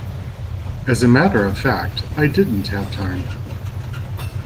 As a matter of fact I didn't have time.